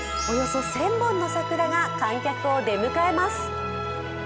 およそ１０００本の桜が観客を出迎えます。